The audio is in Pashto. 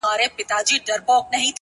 • زه کرۍ ورځ په درنو بارونو بار یم,